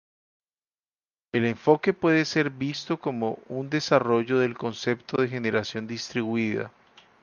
El enfoque puede ser visto como un desarrollo del concepto de generación distribuida.